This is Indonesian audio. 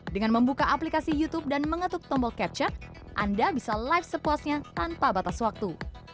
dengan membuka aplikasi youtube dan mengetuk tombol capture anda bisa live sepuasnya tanpa batas waktu